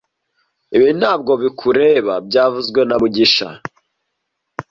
Ibi ntabwo bikureba byavuzwe na mugisha